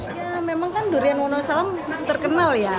ya memang kan durian wonosalam terkenal ya